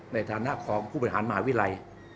ในฐานะของผู้บริษัทมหาวิรัย